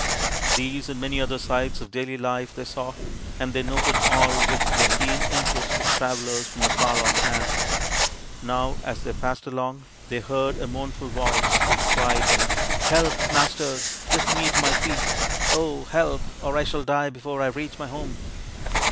These and many other sights of daily life they saw, and they noted all with the keen interest of travellers from a far off land. Now as they passed along they heard a mournful voice which cried, 176 THE INDIAN STORY BOOK " Help, masters ! lift me to my feet ; oh, help ! or I shall die before I reach my home